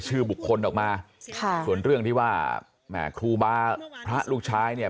ชื่อบุคคลออกมาค่ะส่วนเรื่องที่ว่าแม่ครูบาพระลูกชายเนี่ย